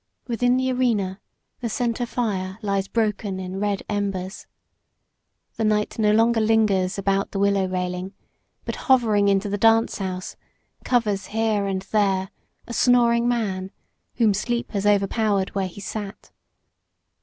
Within the arena the center fire lies broken in red embers. The night no longer lingers about the willow railing, but, hovering into the dance house, covers here and there a snoring man whom sleep has overpowered where he sat.